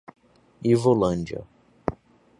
Ivolândia